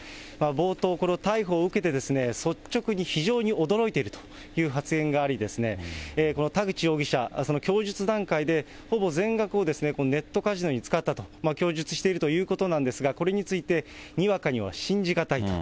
冒頭、この逮捕を受けて、率直に非常に驚いているという発言があり、この田口容疑者、その供述段階で、ほぼ全額をこのネットカジノに使ったと供述しているということなんですが、これについて、にわかには信じ難いと。